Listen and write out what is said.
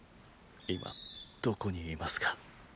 今どこにいますか？